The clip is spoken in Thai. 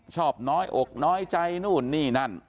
ชอบน้อยอกน้อยใจนู่นนี่นั่น